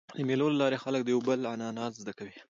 د مېلو له لاري خلک د یو بل عنعنات زده کوي.